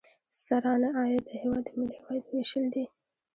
سرانه عاید د هیواد د ملي عوایدو ویشل دي.